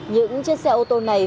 những chiếc xe ô tô này